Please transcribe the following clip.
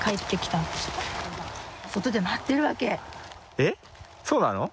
えっそうなの？